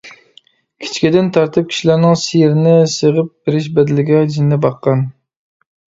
كىچىكىدىن تارتىپ كىشىلەرنىڭ سىيىرىنى سېغىپ بېرىش بەدىلىگە جېنىنى باققان.